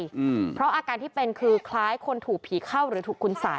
อืมเพราะอาการที่เป็นคือคล้ายคนถูกผีเข้าหรือถูกคุณสัย